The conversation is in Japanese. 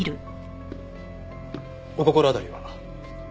お心当たりは？